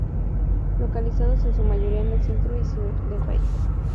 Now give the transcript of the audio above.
Localizados en su mayoría en el centro y sur del país.